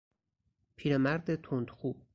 پیرمرد تندخو